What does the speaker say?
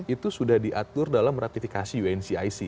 itu sudah diatur dalam ratifikasi uncic